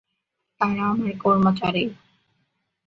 তারা আমার কর্মচারী।